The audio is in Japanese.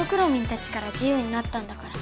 たちから自ゆうになったんだから。